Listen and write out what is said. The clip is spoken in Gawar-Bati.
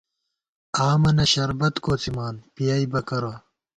آمَنہ شربت کوڅِمان پِیَئیبہ کرہ